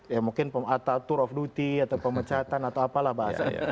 ya mungkin tour of duty atau pemecatan atau apalah bahasanya